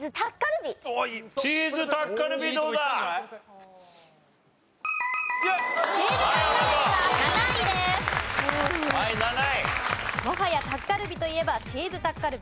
もはやタッカルビといえばチーズタッカルビ一択。